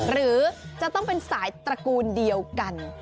หรือจะต้องเป็นสายตระกูลเดียวกัน